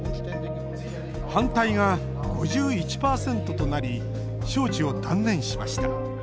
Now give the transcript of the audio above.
反対が５１％となり招致を断念しました。